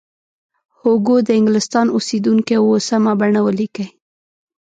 هوګو د انګلستان اوسیدونکی و سمه بڼه ولیکئ.